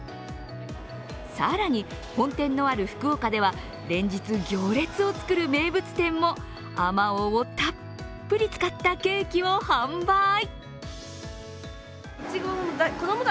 更に、本店のある福岡では連日行列を作る名物店もあまおうをたっぷり使ったケーキを販売。